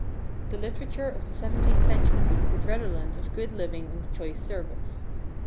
The literature of the seventeenth century is redolent of good living and choice service.